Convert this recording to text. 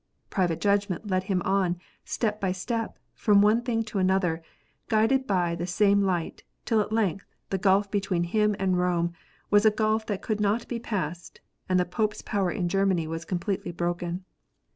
Private judgment led him on, step by step, from one thing to another, guided by the same light, till at length the gulf between him and Rome was a gulf that could not be passed, and the Pope s power in Germany was completely broken.